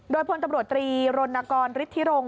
โดยพลตำรวจตรีรณกรฤทธิรงค